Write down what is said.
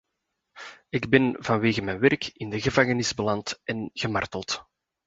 Ik ben vanwege mijn werk in de gevangenis beland en gemarteld.